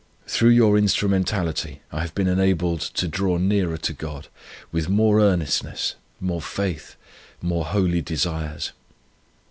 Through your instrumentality I have been enabled to draw nearer to God, with more earnestness, more faith, more holy desires.